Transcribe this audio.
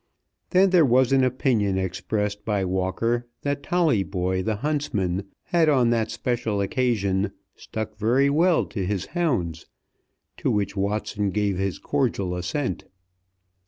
Then there was an opinion expressed by Walker that Tolleyboy, the huntsman, had on that special occasion stuck very well to his hounds, to which Watson gave his cordial assent.